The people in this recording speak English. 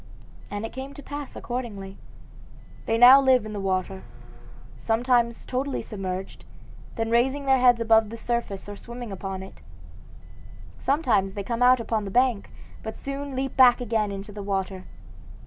And it came to pass accordingly. They now live in the water, sometimes totally submerged, then raising their heads above the surface or swimming upon it. Sometimes they come out upon the bank, but soon leap back again into the water.